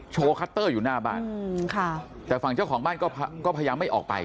ชูขอมาอยู่หน้าบ้านขาดจะฝังเจ้าของบ้านก็พึ่งก็พยายามไม่ออกไป